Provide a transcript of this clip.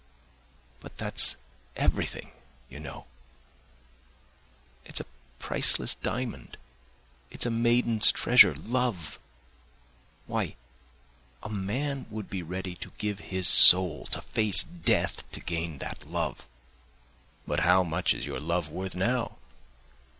But that's everything, you know, it's a priceless diamond, it's a maiden's treasure, love—why, a man would be ready to give his soul, to face death to gain that love. But how much is your love worth now?